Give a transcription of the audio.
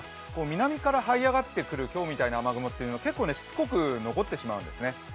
南からはい上がってくる今日みたいな雨雲は結構しつこく残ってしまうんですね。